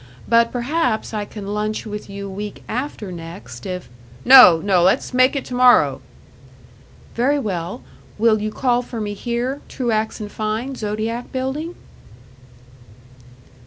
But perhaps I can lunch with you week after next, if " "No, no, let's make it to morrow." "Very well. Will you call for me here Truax & Fein, Zodiac Building?"